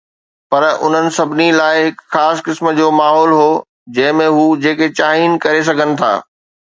پر انهن سڀني لاءِ هڪ خاص قسم جو ماحول هو جنهن ۾ هو جيڪي چاهين ڪري سگهن ٿا.